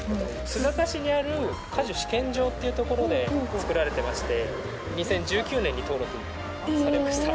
須坂市にある果樹試験場っていうところで作られてまして２０１９年に登録されました。